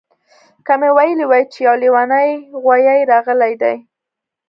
که مې ویلي وای چې یو لیونی غوایي راغلی دی